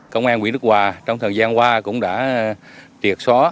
công an nguyễn đức hòa trong thời gian qua cũng đã triệt xóa